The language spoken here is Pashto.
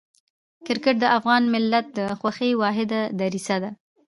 کرکټ د افغان ملت د خوښۍ واحده دریڅه ده.